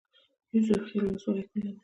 یوسف خیل ولسوالۍ ښکلې ده؟